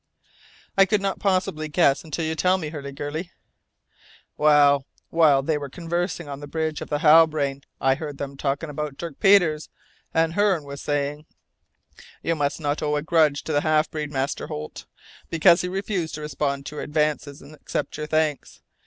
"I could not possibly guess until you tell me, Hurliguerly." "Well, while they were conversing on the bridge of the Halbrane, I heard them talking about Dirk Peters, and Hearne was saying: 'You must not owe a grudge to the half breed, Master Holt, because he refused to respond to your advances and accept your thanks!